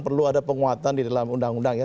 perlu ada penguatan di dalam undang undang ya